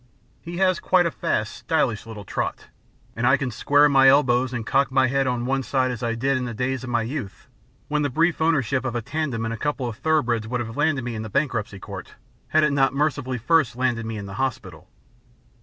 He has quite a fast, stylish little trot, and I can square my elbows and cock my head on one side as I did in the days of my youth when the brief ownership of a tandem and a couple of thoroughbreds would have landed me in the bankruptcy court, had it not mercifully first landed me in the hospital.